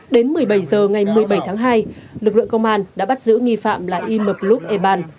đến một mươi bảy h ngày một mươi bảy tháng hai lực lượng công an đã bắt giữ nghi phạm là y mập lúc e ban